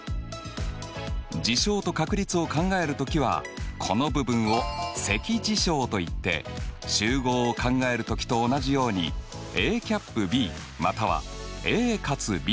事象と確率を考える時はこの部分を積事象といって集合を考える時と同じようにＡキャップＢまたはＡかつＢと読むんだよ。